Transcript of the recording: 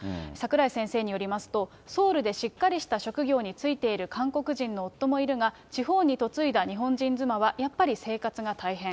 櫻井先生によりますと、ソウルでしっかりした職業に就いている韓国人の夫もいるが、地方に嫁いだ日本人妻は、やっぱり生活が大変。